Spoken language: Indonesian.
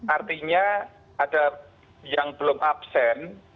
artinya ada yang belum absen